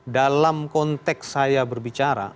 dalam konteks saya berbicara